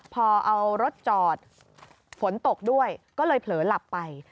พอเอารถจอดฝนตกด้วยก็เลยเผลอหลับไป